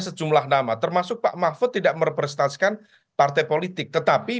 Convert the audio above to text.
sejumlah nama termasuk pak mahfud tidak merepresentasikan partai politik tetapi